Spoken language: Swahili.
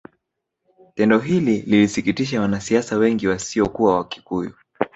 Tendo hili lilisikitisha wanasiasa wengi wasiokuwa Wakikuyu